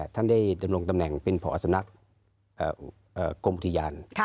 ท่านได้ดำรงตำแหน่งเป็นผอสำนักกรมอุทยาน